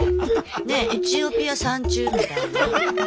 ねっエチオピア三中みたいな。